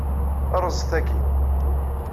Rrẓet akkin.